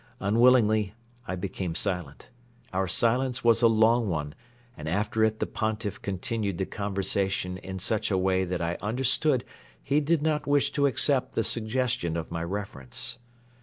Unwillingly I became silent. Our silence was a long one and after it the Pontiff continued the conversation in such a way that I understood he did not wish to accept the suggestion of my reference.